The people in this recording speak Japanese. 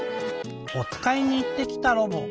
おつかいにいってきたロボ。